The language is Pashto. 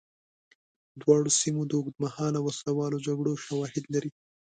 دواړو سیمو د اوږدمهاله وسله والو جګړو شواهد لري.